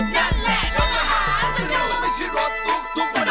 นั่นแหละรถมหาสนุก